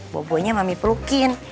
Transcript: bobonya mami pelukin